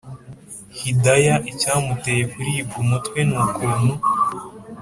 hidaya icyamuteye kuribwa umutwe ni ukuntu